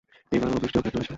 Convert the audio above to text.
এবারও বৃষ্টি অব্যাহত রয়েছে।